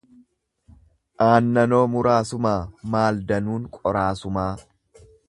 Aannanoo muraasumaa maal danuun qoraasumaa.